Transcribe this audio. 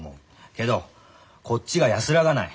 けどこっちが安らがない。